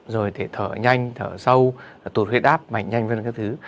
rồi thể thở nhanh thở sâu tụt huyết áp mạnh nhanh với những thứ